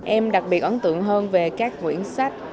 em đặc biệt ấn tượng hơn về các quyển sách